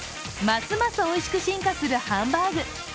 ますますおいしく進化するハンバーグ。